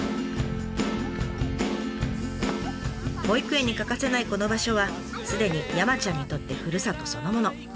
保育園に欠かせないこの場所はすでに山ちゃんにとってふるさとそのもの。